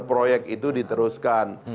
proyek itu diteruskan